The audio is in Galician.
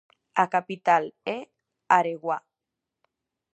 A capital é Areguá.